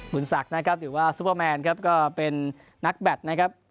ศักดิ์นะครับหรือว่าซุปเปอร์แมนครับก็เป็นนักแบตนะครับ